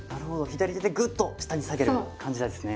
左手でぐっと下に下げる感じなんですね。